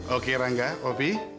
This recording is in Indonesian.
oke rangga opi